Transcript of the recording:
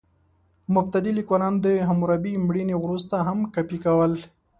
مبتدي لیکوالان د حموربي مړینې وروسته هم کاپي کول.